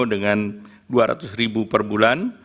dengan dua ratus ribu per bulan